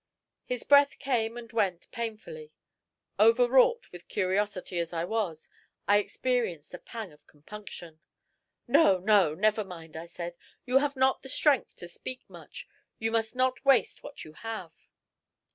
His breath came and went painfully. Overwrought with curiosity as I was, I experienced a pang of compunction. "No, no; never mind," I said; "you have not the strength to speak much you must not waste what you have."